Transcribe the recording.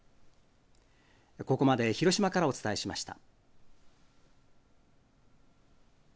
ここまで広島からお伝えしました。